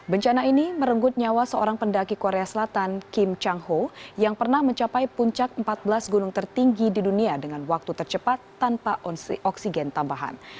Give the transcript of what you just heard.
bencana ini merenggut nyawa seorang pendaki korea selatan kim chang ho yang pernah mencapai puncak empat belas gunung tertinggi di dunia dengan waktu tercepat tanpa oksigen tambahan